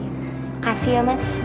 makasih ya mas